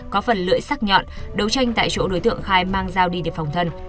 có phần lưỡi sắc nhọn đấu tranh tại chỗ đối tượng khai mang dao đi để phòng thân